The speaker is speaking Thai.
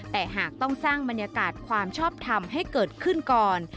แต่หากต้องสร้างบรรยากาศความชอบทำให้เกิดขึ้นก่อน